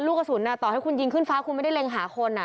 กระสุนต่อให้คุณยิงขึ้นฟ้าคุณไม่ได้เล็งหาคน